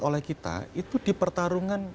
oleh kita itu di pertarungan